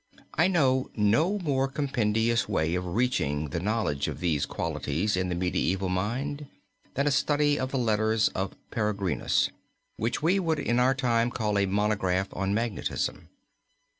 I know no more compendious way of reaching the knowledge of these qualities in the medieval mind, than a study of the letter of Peregrinus, which we would in our time call a monograph on magnetism.